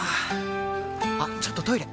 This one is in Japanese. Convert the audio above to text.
あっちょっとトイレ！